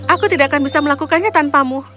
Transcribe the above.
aku tidak akan bisa melakukannya tanpamu